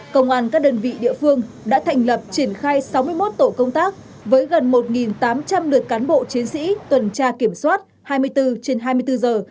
công an các đơn vị địa phương đã thành lập triển khai sáu mươi một tổ công tác với gần một tám trăm linh lượt cán bộ chiến sĩ tuần tra kiểm soát hai mươi bốn trên hai mươi bốn giờ